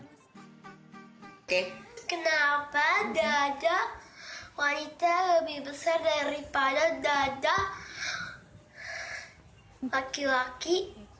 oke kenapa dada wanita lebih besar daripada dada laki laki